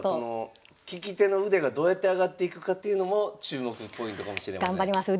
聞き手の腕がどうやって上がっていくかっていうのも注目ポイントかもしれません。